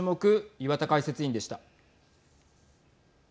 岩田解説委員でした。